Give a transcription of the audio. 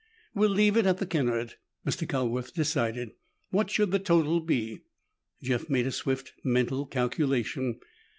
"We'll leave it at the Kennard," Mr. Calworth decided. "What should the total be?" Jeff made a swift mental calculation.